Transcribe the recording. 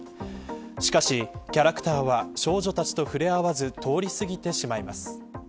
しかしキャラクターは少女たちと触れ合わず通り過ぎてしまいます。